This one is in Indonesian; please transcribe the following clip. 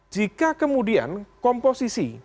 jika kemudian komposisi